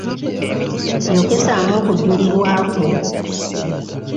Yokesaamu okujulirwa kwo.